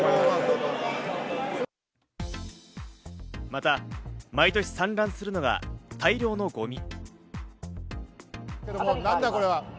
また、毎年散乱するのが大量のゴミ。